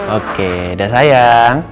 oke udah sayang